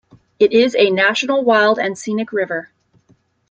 It is a National Wild and Scenic River.